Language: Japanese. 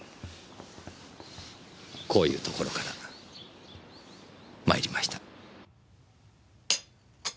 こういうところから参りました。